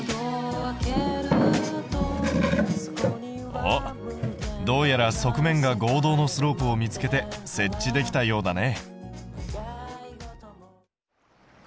おっどうやら側面が合同のスロープを見つけて設置できたようだね。